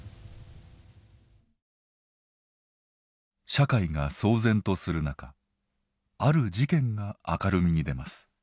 社会が騒然とする中ある事件が明るみに出ます。